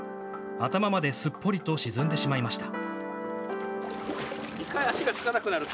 頭まですっぽりと沈んでしまいました。